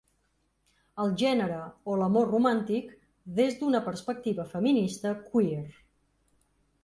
El gènere o l’amor romàntic des d’una perspectiva feminista queer.